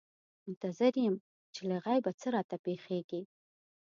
منتظر یم چې له غیبه څه راته پېښېږي.